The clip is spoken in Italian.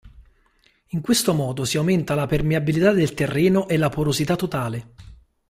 In questo modo si aumenta la permeabilità del terreno e la porosità totale.